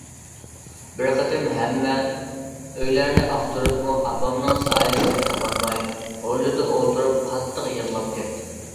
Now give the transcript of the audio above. بىر قېتىم ھەممە ئۆيلەرنى ئاختۇرۇپمۇ ئاپامنىڭ سايىسىنىمۇ تاپالماي، ھويلىدا ئولتۇرۇپ قاتتىق يىغلاپ كەتتىم.